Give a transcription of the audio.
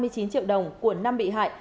ba mươi chín triệu đồng của năm bị hại